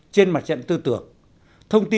trên mặt trận tư tưởng